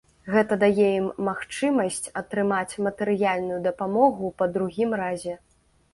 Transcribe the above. Гэта дае ім магчымасць атрымаць матэрыяльную дапамогу па другім разе.